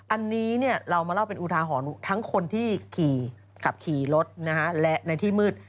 อันนี้เรามาเล่าเป็นอุทาหรณ์ทั้งคนที่ขี่ขับขี่รถและในที่มืด